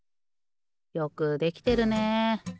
よくできてるね。